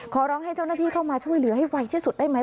ร้องให้เจ้าหน้าที่เข้ามาช่วยเหลือให้ไวที่สุดได้ไหม